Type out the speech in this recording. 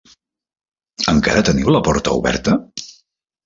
Encara teniu la porta oberta?